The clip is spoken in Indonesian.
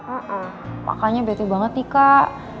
iya makanya betul banget nih kak